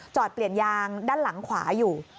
เปลี่ยนยางด้านหลังขวาอยู่